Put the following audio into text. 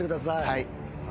はい。